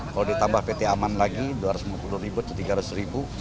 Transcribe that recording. kalau ditambah pt aman lagi dua ratus lima puluh ribu atau tiga ratus ribu